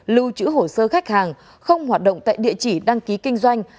lưu chữ hồ sơ khách hàng không hoạt động tại địa chỉ đăng ký kinh doanh